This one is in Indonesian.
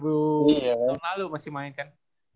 dua ribu an lalu masih main kan